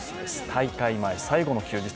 大会前最後の休日。